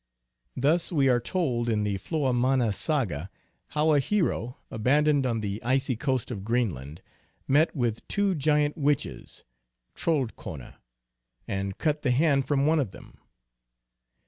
Thus we are told in the Floamanna Saga how a hero, aban doned on the icy coast of Greenland, met with two giant witches (Troldkoner), and cut the hand from one of them.